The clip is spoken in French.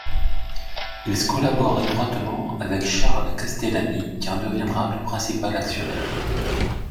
Ils collaborent étroitement avec Charles Castellani qui en deviendra le principal actionnaire.